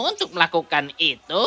untuk melakukan itu